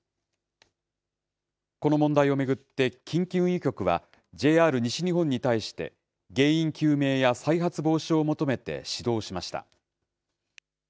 この問題を巡って、近畿運輸局は、ＪＲ西日本に対して、原因究明や再発防止を求めて指導しました。